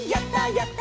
やった！